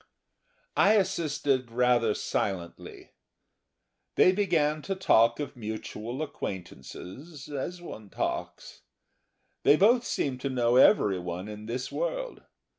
I assisted rather silently. They began to talk of mutual acquaintances as one talks. They both seemed to know everyone in this world.